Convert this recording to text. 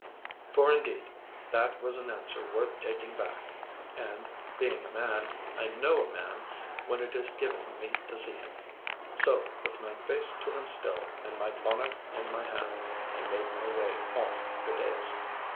For, indeed, that was an answer worth taking back, and, being a man, I know a man when it is given me to see him. So, with my face to him still, and my bonnet in my hand, I made my way off the dais.